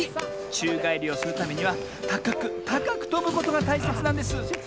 ちゅうがえりをするためにはたかくたかくとぶことがたいせつなんです。